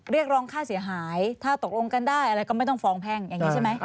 เรียกร้องค่าเสียหายถ้าตกลงกันได้อะไรก็ไม่ต้องฟ้องแพ่งอย่างนี้ใช่ไหม